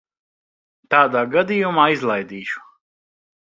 Tādā gadījumā izlaidīšu.